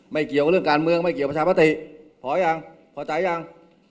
เกี่ยวกับเรื่องการเมืองไม่เกี่ยวประชามติพอยังพอใจยัง